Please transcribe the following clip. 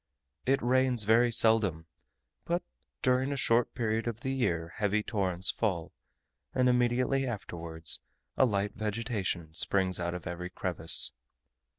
It rains very seldom, but during a short portion of the year heavy torrents fall, and immediately afterwards a light vegetation springs out of every crevice.